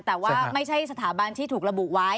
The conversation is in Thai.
แต่ว่าไม่ใช่สถาบันที่ถูกระบุไว้